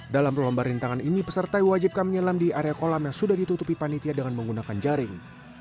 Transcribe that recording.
dalam lomba rintangan ini peserta diwajibkan menyelam di area kolam yang sudah ditutupi panitia dengan menggunakan jaring